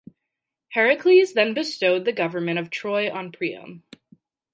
Heracles then bestowed the government of Troy on Priam.